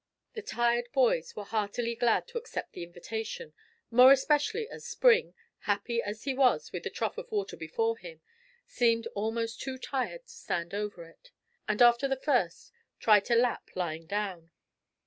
The tired boys were heartily glad to accept the invitation, more especially as Spring, happy as he was with the trough of water before him, seemed almost too tired to stand over it, and after the first, tried to lap, lying down.